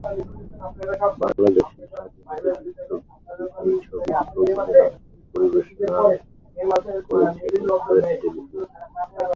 বাংলাদেশের স্বাধীনতা যুদ্ধ ভিত্তিক এই ছবিটি প্রযোজনা ও পরিবেশনা করেছে ইমপ্রেস টেলিফিল্ম।